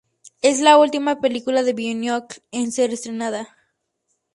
Es la última película de Bionicle en ser estrenada.